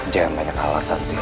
jangan banyak alasan sir